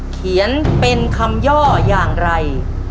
เขียนเป็นคำย่ออย่างไร